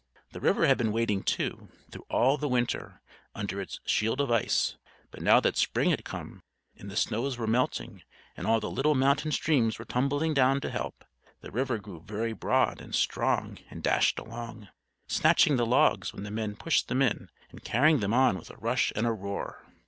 The river had been waiting too, through all the Winter, under its shield of ice, but now that Spring had come, and the snows were melting, and all the little mountain streams were tumbling down to help, the river grew very broad and strong, and dashed along, snatching the logs when the men pushed them in and carrying them on with a rush and a roar.